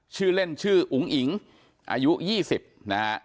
ชื่อเล่นชื่ออุ๋งอิ๋งอายุ๒๐นะฮะ